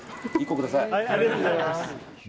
ありがとうございます。